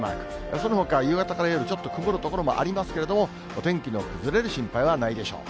そのほか夕方から夜、ちょっと曇る所もありますけれども、お天気の崩れる心配はないでしょう。